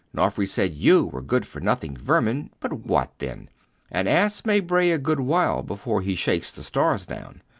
Nofri said you were good for nothing vermin; but what then? An ass may bray a good while before he shakes the stars down.